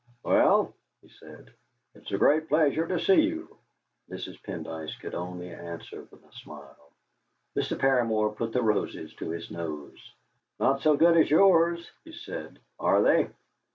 "Well," he said, "it's a great pleasure to see you." Mrs. Pendyce could only answer with a smile. Mr. Paramor put the roses to his nose. "Not so good as yours," he said, "are they?